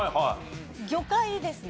魚介ですね。